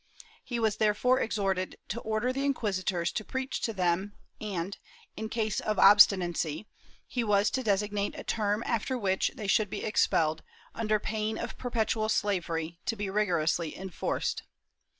He was therefore exhorted to order the inquisitors to preach to them and, in case of obstinacy, he was to designate a term after which they should be expelled, under pain of perpetual slavery, to be rigorously enforced.